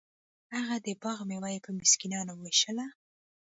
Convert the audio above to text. هغه د باغ میوه په مسکینانو ویشله.